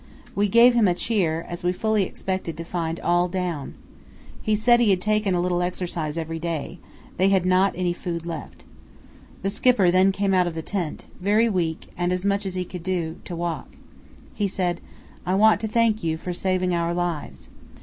We gave him a cheer, as we fully expected to find all down. He said he had taken a little exercise every day; they had not any food left. The Skipper then came out of the tent, very weak and as much as he could do to walk. He said, 'I want to thank you for saving our lives.